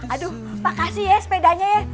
aduh makasih ya sepedanya ya